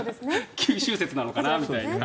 九州説なのかな、みたいな。